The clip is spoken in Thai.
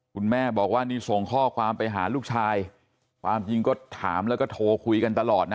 คุณแม่บอกว่านี่ส่งข้อความไปหาลูกชายความจริงก็ถามแล้วก็โทรคุยกันตลอดนะ